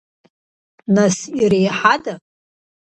Нас иреиҳада?